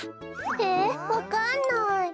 えわかんない。